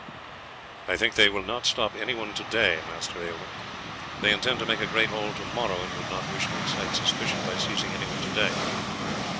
"I think that they will not stop anyone to day, Master Aylmer. They intend to make a great haul to morrow, and would not wish to excite suspicion by seizing anyone to day.